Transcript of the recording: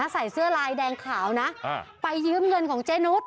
ใส่เสื้อลายแดงขาวนะไปยืมเงินของเจนุส